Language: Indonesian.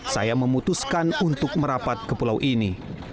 saya memutuskan untuk merapat ke pulau ini